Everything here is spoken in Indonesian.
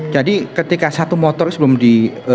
jadi ketika satu motor itu sebelum di